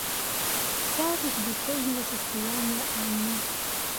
Тяжесть душевного состояния Анны.